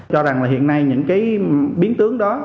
cho rằng là hiện nay những cái biến tướng đó